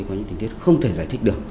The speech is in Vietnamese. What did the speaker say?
có những tính tiết không thể giải thích được